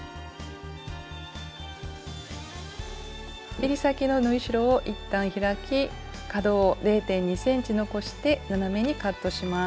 えり先の縫い代をいったん開き角を０．２ｃｍ残して斜めにカットします。